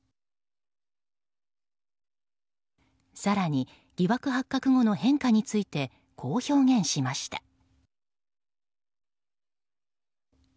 更に疑惑発覚後の変化についてこう表現しました。